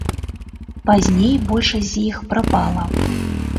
Пазней большасць з іх прапала.